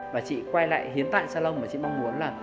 và chị quay lại hiến tại salon mà chị mong muốn là